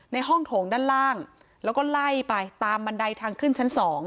ในห้องโถงด้านล่างแล้วก็ไล่ไปตามบันไดทางขึ้นชั้น๒